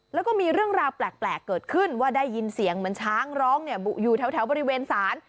แล้วก็มีเรื่องราวแปลกเกิดขึ้นว่าได้ยินเสียงเหมือนช้างร้องอยู่แถวบริเวณศาล